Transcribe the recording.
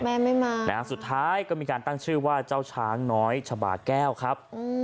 แม่ไม่มานะฮะสุดท้ายก็มีการตั้งชื่อว่าเจ้าช้างน้อยชะบาแก้วครับ